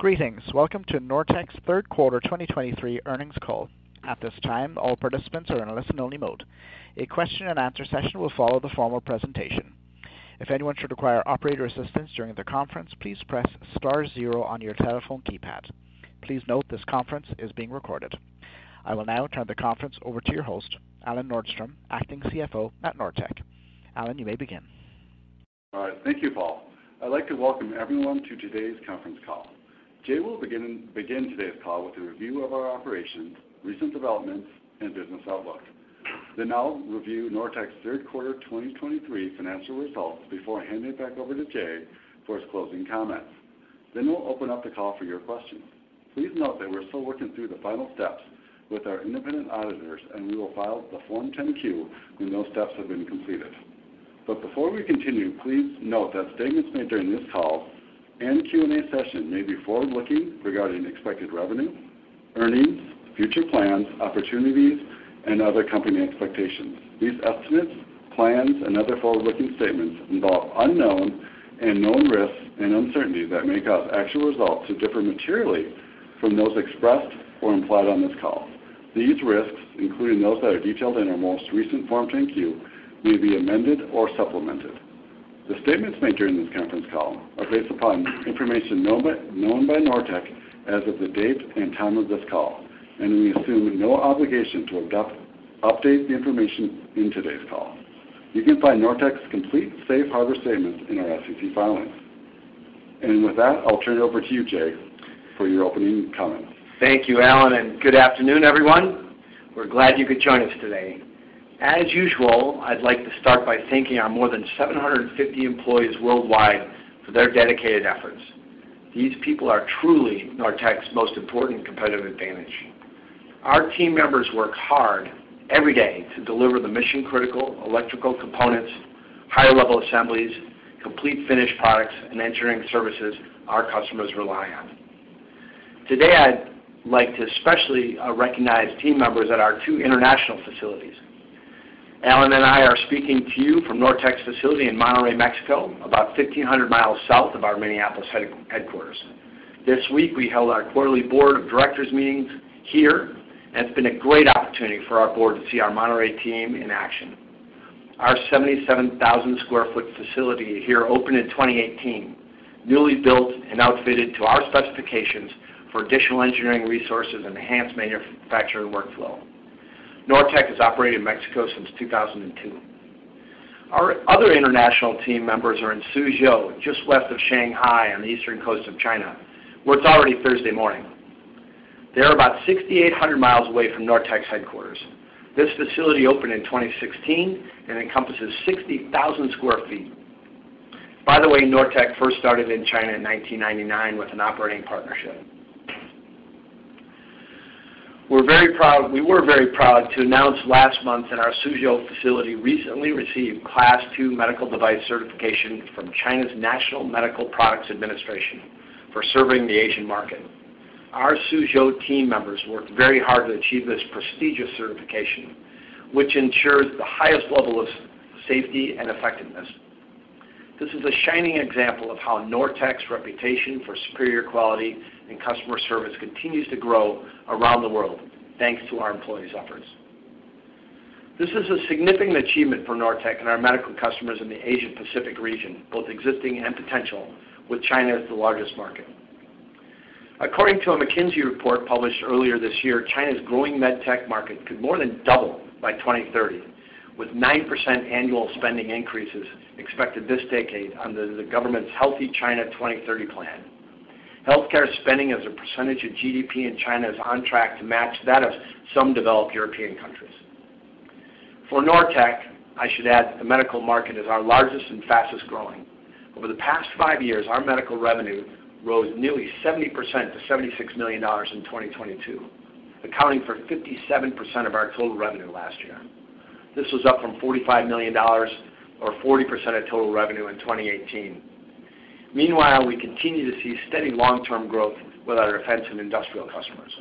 Greetings! Welcome to Nortech's third quarter 2023 earnings call. At this time, all participants are in a listen-only mode. A question and answer session will follow the formal presentation. If anyone should require operator assistance during the conference, please press star zero on your telephone keypad. Please note, this conference is being recorded. I will now turn the conference over to your host, Alan Nordstrom, Acting CFO at Nortech. Alan, you may begin. All right. Thank you, Paul. I'd like to welcome everyone to today's conference call. Jay will begin today's call with a review of our operations, recent developments, and business outlook. Then I'll review Nortech's third quarter 2023 financial results before handing it back over to Jay for his closing comments. Then we'll open up the call for your questions. Please note that we're still working through the final steps with our independent auditors, and we will file the Form 10-Q when those steps have been completed. But before we continue, please note that statements made during this call and Q&A session may be forward-looking regarding expected revenue, earnings, future plans, opportunities, and other company expectations. These estimates, plans, and other forward-looking statements involve unknown and known risks and uncertainties that may cause actual results to differ materially from those expressed or implied on this call. These risks, including those that are detailed in our most recent Form 10-Q, may be amended or supplemented. The statements made during this conference call are based upon information known by, known by Nortech as of the date and time of this call, and we assume no obligation to update the information in today's call. You can find Nortech's complete safe harbor statements in our SEC filings. With that, I'll turn it over to you, Jay, for your opening comments. Thank you, Alan, and good afternoon, everyone. We're glad you could join us today. As usual, I'd like to start by thanking our more than 750 employees worldwide for their dedicated efforts. These people are truly Nortech's most important competitive advantage. Our team members work hard every day to deliver the mission-critical electrical components, higher-level assemblies, complete finished products, and engineering services our customers rely on. Today, I'd like to especially recognize team members at our two international facilities. Alan and I are speaking to you from Nortech's facility in Monterrey, Mexico, about 1,500 miles south of our Minneapolis headquarters. This week, we held our quarterly board of directors meetings here, and it's been a great opportunity for our board to see our Monterrey team in action. Our 77,000 sq ft facility here opened in 2018, newly built and outfitted to our specifications for additional engineering resources and enhanced manufacturing workflow. Nortech has operated in Mexico since 2002. Our other international team members are in Suzhou, just West of Shanghai, on the Eastern coast of China, where it's already Thursday morning. They are about 6,800 miles away from Nortech's headquarters. This facility opened in 2016 and encompasses 60,000 sq ft. By the way, Nortech first started in China in 1999 with an operating partnership. We're very proud. We were very proud to announce last month that our Suzhou facility recently received Class II Medical Device Certification from China's National Medical Products Administration for serving the Asian market. Our Suzhou team members worked very hard to achieve this prestigious certification, which ensures the highest level of safety and effectiveness. This is a shining example of how Nortech's reputation for superior quality and customer service continues to grow around the world, thanks to our employees' efforts. This is a significant achievement for Nortech and our medical customers in the Asian Pacific region, both existing and potential, with China as the largest market. According to a McKinsey report published earlier this year, China's growing med tech market could more than double by 2030, with 9% annual spending increases expected this decade under the government's Healthy China 2030 plan. Healthcare spending as a percentage of GDP in China is on track to match that of some developed European countries. For Nortech, I should add, the medical market is our largest and fastest-growing. Over the past five years, our medical revenue rose nearly 70% to $76 million in 2022, accounting for 57% of our total revenue last year. This was up from $45 million or 40% of total revenue in 2018. Meanwhile, we continue to see steady long-term growth with our defense and industrial customers.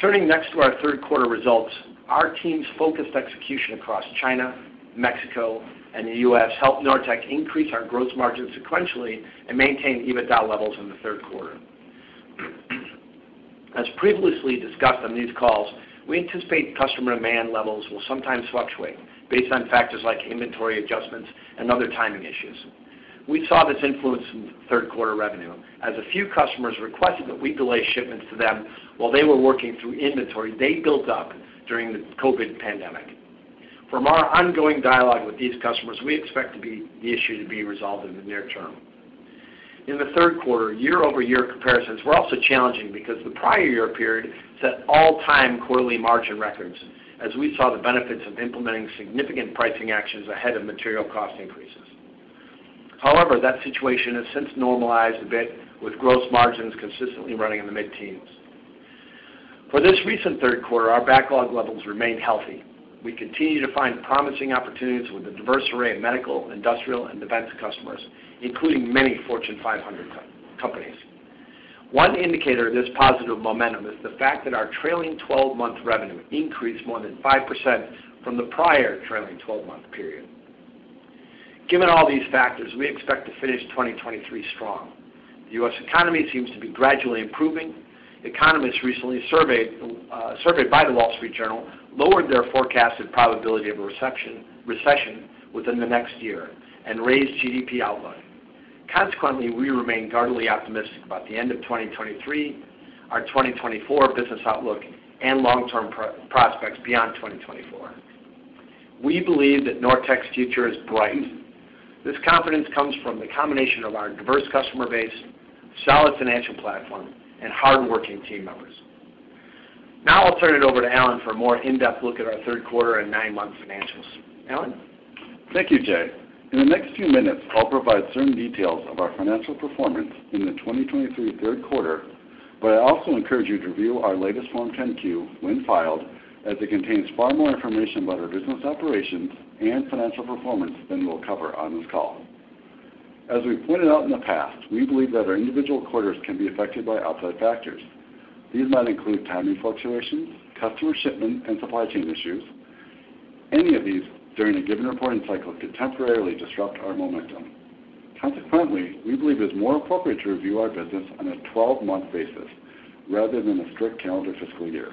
Turning next to our third quarter results, our team's focused execution across China, Mexico, and the US helped Nortech increase our gross margin sequentially and maintain EBITDA levels in the third quarter. As previously discussed on these calls, we anticipate customer demand levels will sometimes fluctuate based on factors like inventory adjustments and other timing issues. We saw this influence in third quarter revenue, as a few customers requested that we delay shipments to them while they were working through inventory they built up during the COVID pandemic. From our ongoing dialogue with these customers, we expect the issue to be resolved in the near term. In the third quarter, year-over-year comparisons were also challenging because the prior year period set all-time quarterly margin records, as we saw the benefits of implementing significant pricing actions ahead of material cost increases. However, that situation has since normalized a bit, with gross margins consistently running in the mid-teens. For this recent third quarter, our backlog levels remained healthy. We continue to find promising opportunities with a diverse array of medical, industrial, and defense customers, including many Fortune 500 companies. One indicator of this positive momentum is the fact that our trailing twelve-month revenue increased more than 5% from the prior trailing twelve-month period. Given all these factors, we expect to finish 2023 strong. The US economy seems to be gradually improving. Economists recently surveyed by The Wall Street Journal lowered their forecasted probability of a recession within the next year and raised GDP outlook. Consequently, we remain guardedly optimistic about the end of 2023, our 2024 business outlook, and long-term prospects beyond 2024. We believe that Nortech's future is bright. This confidence comes from the combination of our diverse customer base, solid financial platform, and hardworking team members. Now I'll turn it over to Alan for a more in-depth look at our third quarter and 9-month financials. Alan? Thank you, Jay. In the next few minutes, I'll provide certain details of our financial performance in the 2023 third quarter, but I also encourage you to review our latest Form 10-Q, when filed, as it contains far more information about our business operations and financial performance than we'll cover on this call. As we've pointed out in the past, we believe that our individual quarters can be affected by outside factors. These might include timing fluctuations, customer shipment, and supply chain issues. Any of these, during a given reporting cycle, could temporarily disrupt our momentum. Consequently, we believe it's more appropriate to review our business on a 12-month basis rather than a strict calendar fiscal year.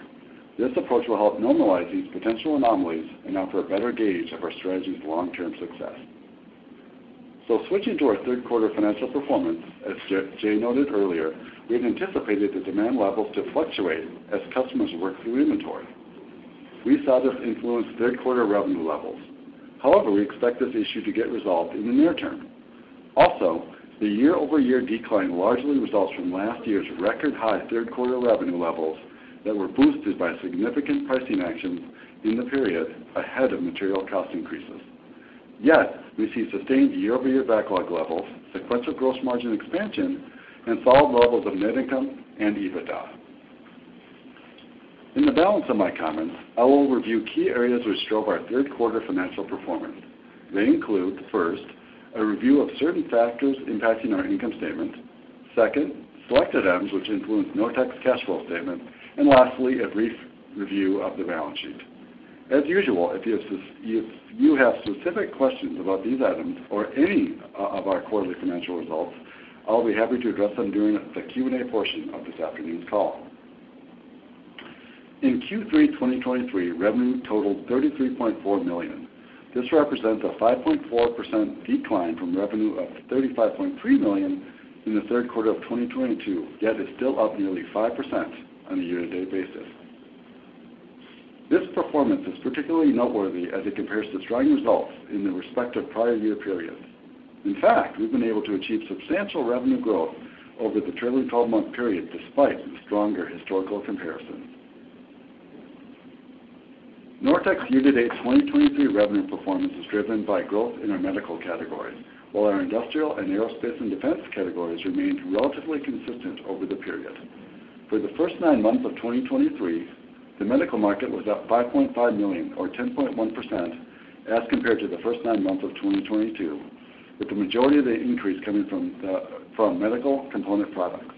This approach will help normalize these potential anomalies and offer a better gauge of our strategy's long-term success. So switching to our third quarter financial performance, as Jay noted earlier, we've anticipated the demand levels to fluctuate as customers work through inventory. We saw this influence third quarter revenue levels. However, we expect this issue to get resolved in the near term. Also, the year-over-year decline largely results from last year's record-high third quarter revenue levels that were boosted by significant pricing actions in the period ahead of material cost increases. Yet, we see sustained year-over-year backlog levels, sequential gross margin expansion, and solid levels of net income and EBITDA. In the balance of my comments, I will review key areas which drove our third quarter financial performance. They include, first, a review of certain factors impacting our income statement. Second, selected items which influence Nortech's cash flow statement, and lastly, a brief review of the balance sheet. As usual, if you have specific questions about these items or any of our quarterly financial results, I'll be happy to address them during the Q&A portion of this afternoon's call. In Q3 2023, revenue totaled $33.4 million. This represents a 5.4% decline from revenue of $35.3 million in the third quarter of 2022, yet is still up nearly 5% on a year-to-date basis. This performance is particularly noteworthy as it compares to strong results in the respective prior year periods. In fact, we've been able to achieve substantial revenue growth over the trailing 12 month period, despite the stronger historical comparisons. Nortech's year-to-date 2023 revenue performance is driven by growth in our medical category, while our industrial and aerospace and defense categories remained relatively consistent over the period. For the first nine months of 2023, the medical market was up $5.5 million, or 10.1%, as compared to the first nine months of 2022, with the majority of the increase coming from from medical component products.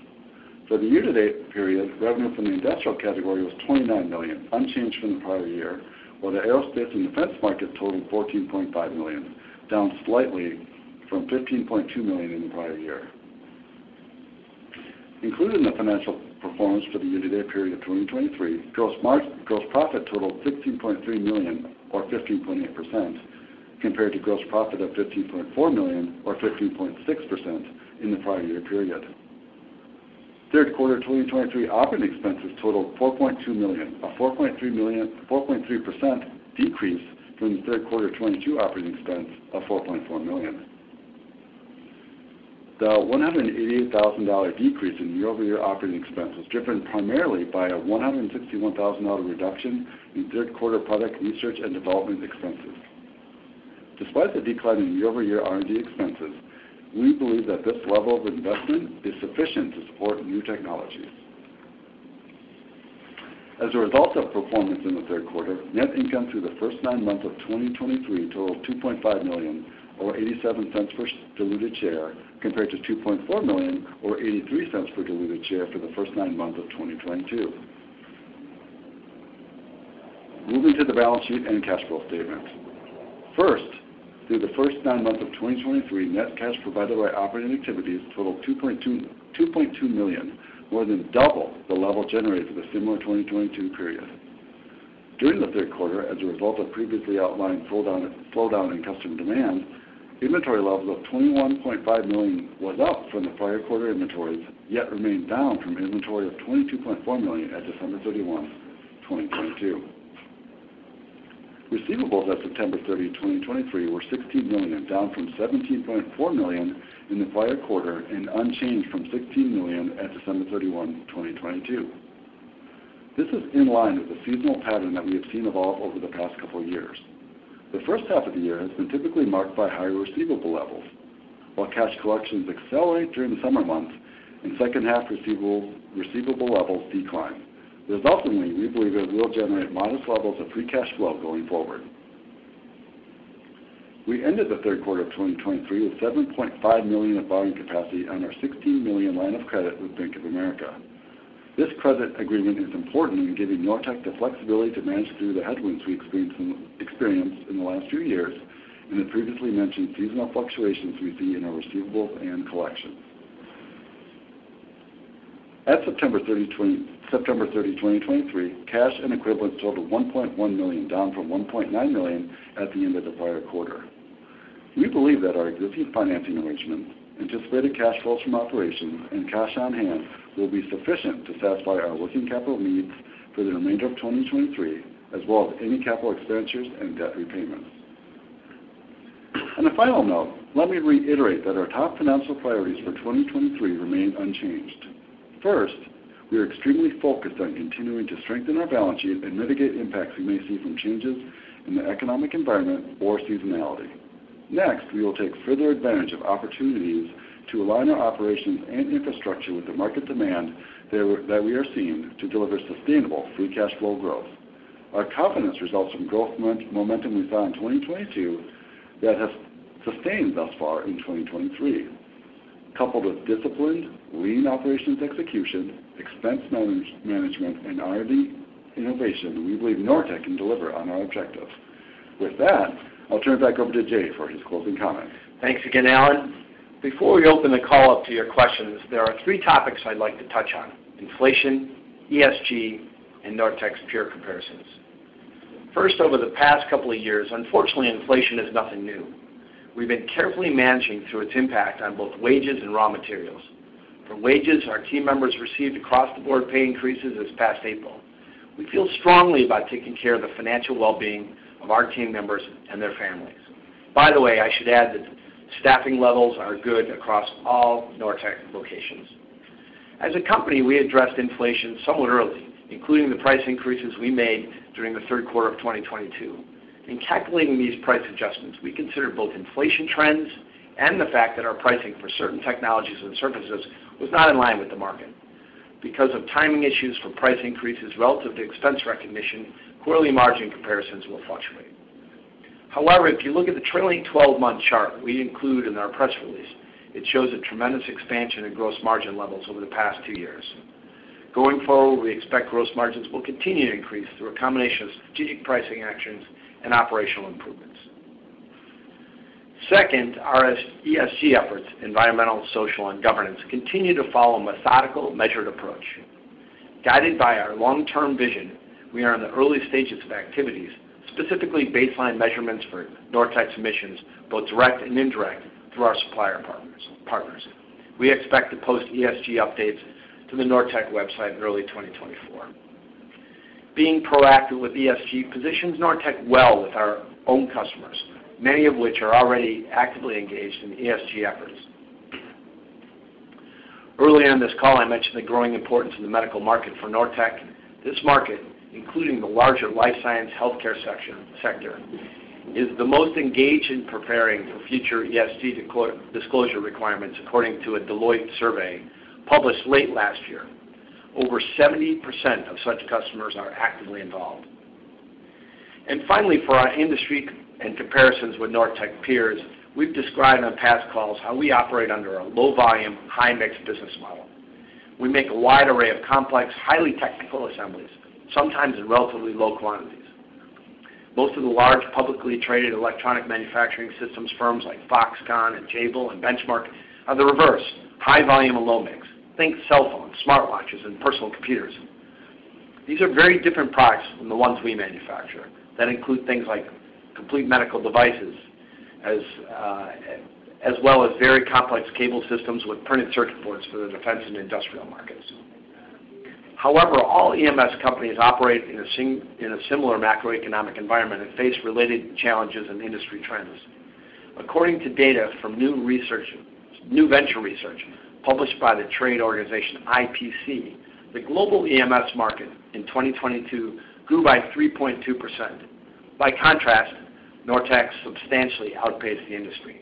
For the year-to-date period, revenue from the industrial category was $29 million, unchanged from the prior year, while the aerospace and defense market totaled $14.5 million, down slightly from $15.2 million in the prior year. Included in the financial performance for the year-to-date period of 2023, gross profit totaled $16.3 million, or 15.8%, compared to gross profit of $15.4 million or 15.6% in the prior year period. Third quarter 2023 operating expenses totaled $4.2 million, a 4.3% decrease from the third quarter 2022 operating expense of $4.4 million. The $188,000 decrease in year-over-year operating expenses, driven primarily by a $161,000 reduction in third quarter product research and development expenses. Despite the decline in year-over-year R&D expenses, we believe that this level of investment is sufficient to support new technologies. As a result of performance in the third quarter, net income through the first nine months of 2023 totaled $2.5 million, or $0.87 per diluted share, compared to $2.4 million or $0.83 per diluted share for the first nine months of 2022. Moving to the balance sheet and cash flow statement. First, through the first nine months of 2023, net cash provided by operating activities totaled $2.2 million, more than double the level generated in the similar 2022 period. During the third quarter, as a result of previously outlined slowdown, slowdown in customer demand, inventory levels of $21.5 million was up from the prior quarter inventories, yet remained down from inventory of $22.4 million at December 31, 2022. Receivables at September 30, 2023, were $16 million, down from $17.4 million in the prior quarter and unchanged from $16 million at December 31, 2022. This is in line with the seasonal pattern that we have seen evolve over the past couple of years. The first half of the year has been typically marked by higher receivable levels, while cash collections accelerate during the summer months and second half receivable levels decline. Resultingly, we believe it will generate modest levels of free cash flow going forward... We ended the third quarter of 2023 with $7.5 million of borrowing capacity on our $16 million line of credit with Bank of America. This credit agreement is important in giving Nortech the flexibility to manage through the headwinds we experienced in the last few years and the previously mentioned seasonal fluctuations we see in our receivables and collections. At September 30, 2023, cash and equivalents totaled $1.1 million, down from $1.9 million at the end of the prior quarter. We believe that our existing financing arrangements, anticipated cash flows from operations, and cash on hand will be sufficient to satisfy our working capital needs for the remainder of 2023, as well as any capital expenditures and debt repayments. On a final note, let me reiterate that our top financial priorities for 2023 remain unchanged. First, we are extremely focused on continuing to strengthen our balance sheet and mitigate impacts we may see from changes in the economic environment or seasonality. Next, we will take further advantage of opportunities to align our operations and infrastructure with the market demand that we, that we are seeing to deliver sustainable free cash flow growth. Our confidence results from growth moment, momentum we saw in 2022 that has sustained thus far in 2023. Coupled with disciplined, lean operations execution, expense management and R&D innovation, we believe Nortech can deliver on our objectives. With that, I'll turn it back over to Jay for his closing comments. Thanks again, Alan. Before we open the call up to your questions, there are three topics I'd like to touch on: inflation, ESG, and Nortech's peer comparisons. First, over the past couple of years, unfortunately, inflation is nothing new. We've been carefully managing through its impact on both wages and raw materials. For wages, our team members received across-the-board pay increases this past April. We feel strongly about taking care of the financial well-being of our team members and their families. By the way, I should add that staffing levels are good across all Nortech locations. As a company, we addressed inflation somewhat early, including the price increases we made during the third quarter of 2022. In calculating these price adjustments, we considered both inflation trends and the fact that our pricing for certain technologies and services was not in line with the market. Because of timing issues for price increases relative to expense recognition, quarterly margin comparisons will fluctuate. However, if you look at the trailing-twelve-month chart we include in our press release, it shows a tremendous expansion in gross margin levels over the past two years. Going forward, we expect gross margins will continue to increase through a combination of strategic pricing actions and operational improvements. Second, our ESG efforts, environmental, social, and governance, continue to follow a methodical, measured approach. Guided by our long-term vision, we are in the early stages of activities, specifically baseline measurements for Nortech's emissions, both direct and indirect, through our supplier partners. We expect to post ESG updates to the Nortech website in early 2024. Being proactive with ESG positions Nortech well with our own customers, many of which are already actively engaged in ESG efforts. Early on this call, I mentioned the growing importance of the medical market for Nortech. This market, including the larger life science healthcare sector, is the most engaged in preparing for future ESG disclosure requirements, according to a Deloitte survey published late last year. Over 70% of such customers are actively involved. Finally, for our industry and comparisons with Nortech peers, we've described on past calls how we operate under a low-volume, high-mix business model. We make a wide array of complex, highly technical assemblies, sometimes in relatively low quantities. Most of the large, publicly traded electronic manufacturing systems firms like Foxconn and Jabil and Benchmark are the reverse, high volume and low mix. Think cell phones, smartwatches, and personal computers. These are very different products from the ones we manufacture that include things like complete medical devices, as well as very complex cable systems with printed circuit boards for the defense and industrial markets. However, all EMS companies operate in a similar macroeconomic environment and face related challenges and industry trends. According to data from New Venture Research, published by the trade organization IPC, the global EMS market in 2022 grew by 3.2%. By contrast, Nortech substantially outpaced the industry.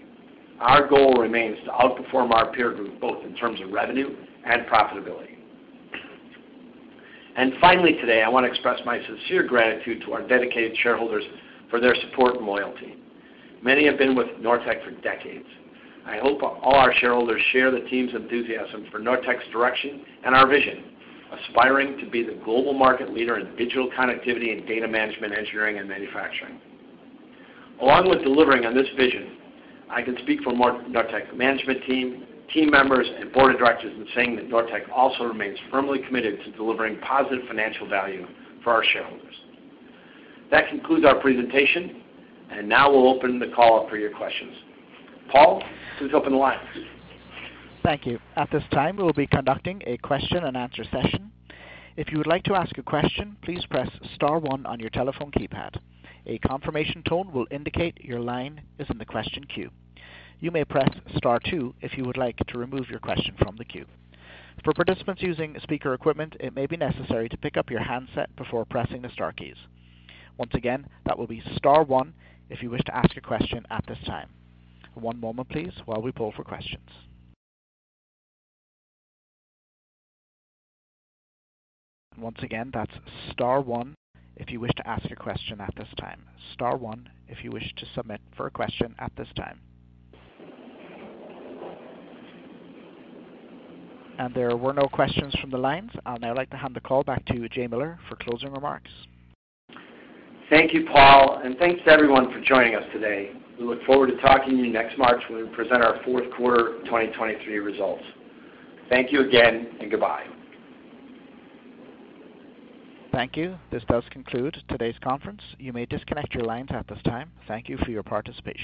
Our goal remains to outperform our peer group, both in terms of revenue and profitability. And finally, today, I want to express my sincere gratitude to our dedicated shareholders for their support and loyalty. Many have been with Nortech for decades. I hope all our shareholders share the team's enthusiasm for Nortech's direction and our vision, aspiring to be the global market leader in digital connectivity and data management, engineering, and manufacturing. Along with delivering on this vision, I can speak for Nortech management team, team members, and board of directors in saying that Nortech also remains firmly committed to delivering positive financial value for our shareholders. That concludes our presentation, and now we'll open the call up for your questions. Paul, please open the line. Thank you. At this time, we will be conducting a question-and-answer session. If you would like to ask a question, please press star one on your telephone keypad. A confirmation tone will indicate your line is in the question queue. You may press star two if you would like to remove your question from the queue. For participants using speaker equipment, it may be necessary to pick up your handset before pressing the star keys. Once again, that will be star one if you wish to ask a question at this time. One moment please while we pull for questions. Once again, that's star one if you wish to ask your question at this time. Star one if you wish to submit for a question at this time. There were no questions from the lines. I'd now like to hand the call back to Jay Miller for closing remarks. Thank you, Paul, and thanks to everyone for joining us today. We look forward to talking to you next March when we present our fourth quarter 2023 results. Thank you again, and goodbye. Thank you. This does conclude today's conference. You may disconnect your lines at this time. Thank you for your participation.